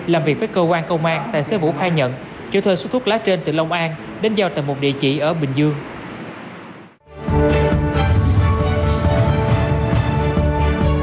làm việc với cơ quan công an tài xế vũ khai nhận chở thuê số thuốc lá trên từ long an đến giao tại một địa chỉ ở bình dương